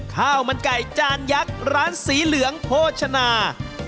ข้าวมันไก่จานยักษ์ร้านสีเหลืองโภชนา